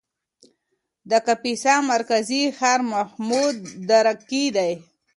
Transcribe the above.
د کاپیسا مرکزي ښار محمودراقي دی.